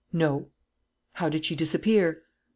"No." "How did she disappear?"